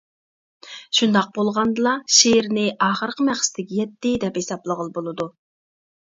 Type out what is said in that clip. شۇنداق بولغاندىلا شېئىرنى ئاخىرقى مەقسىتىگە يەتتى دەپ ھېسابلىغىلى بولىدۇ.